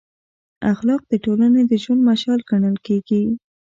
اخلاق د ټولنې د ژوند مشال ګڼل کېږي.